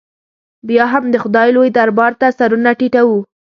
بیا هم د خدای لوی دربار ته سرونه ټیټو.